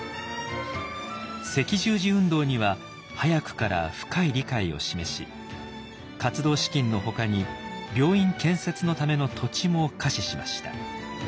赤十字運動には早くから深い理解を示し活動資金のほかに病院建設のための土地も下賜しました。